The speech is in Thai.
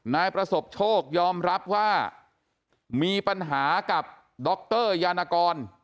นายประสบโชคยอมรับว่ามีปัญหากับดรยานกร